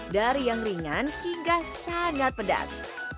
dari yang ringan hingga sangat pedas